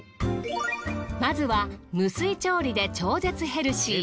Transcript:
まずは無水調理で超絶ヘルシー。